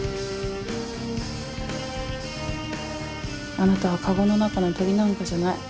あなたはカゴの中の鳥なんかじゃない。